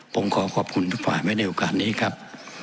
ผมขอขอบคุณทุกฝ่ายไว้ในโอกาสนี้ครับ